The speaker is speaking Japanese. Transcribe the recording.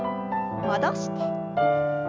戻して。